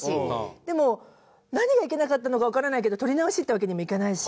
でも何がいけなかったのかわからないけど撮り直しってわけにもいかないし。